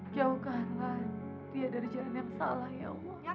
kamu sudah pulang ya